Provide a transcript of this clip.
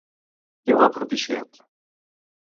Qui ho ha propiciat?